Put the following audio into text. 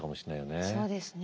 そうですね。